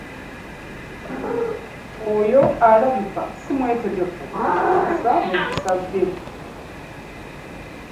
Oyo alabika ssi mwetegefu kukyusa mu mpise ze.